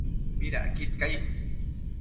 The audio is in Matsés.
¿midacquid cai ?